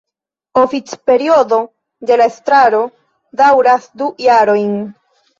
Oficperiodo de la estraro daŭras du jarojn.